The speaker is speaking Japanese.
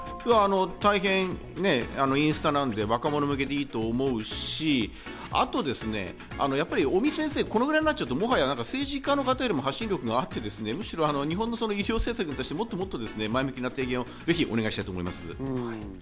大変、インスタなんで若者向けでいいと思うし、あと、尾身先生はこのぐらいになっちゃうと、もはや政治家の方より発信力があって、日本の政策に関して前向きな提言をもっともっとお願いしたいと思います。